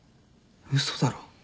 嘘だろ？